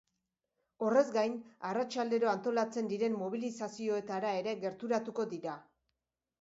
Horrez gain, arratsaldero antolatzen diren mobilizazioetara ere gerturatuko dira.